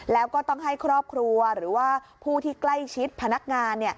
แล้วก็ต้องให้ครอบครัวหรือว่าผู้ที่ใกล้ชิดพนักงาน